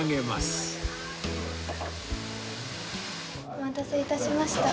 お待たせ致しました。